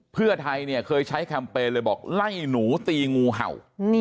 เพื่อไทยเนี่ยเคยใช้แคมเปญเลยบอกไล่หนูตีงูเห่า